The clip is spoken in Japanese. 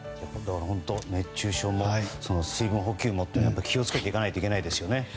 本当、熱中症も水分補給もとなると気を付けていかないといけないですね。